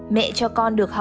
mẹ cho con được hạng